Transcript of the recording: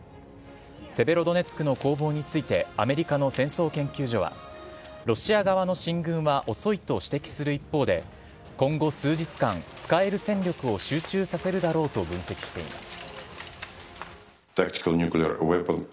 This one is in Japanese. セベロドネツクの攻防について、アメリカの戦争研究所は、ロシア側の進軍は遅いと指摘する一方で、今後、数日間、使える戦力を集中させるだろうと分析しています。